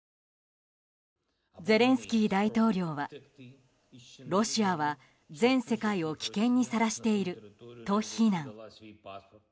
ゼレンスキー大統領はロシアは全世界を危険にさらしていると非難。